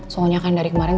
soalnya kan dari kemarin